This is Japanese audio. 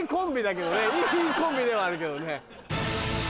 いいコンビではあるけどね。